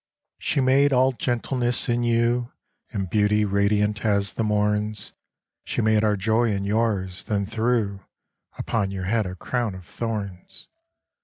She made all gentleness in you, And beauty radiant as the morn's : She made our joy in yours, then threw Upon your head a crown of thorns.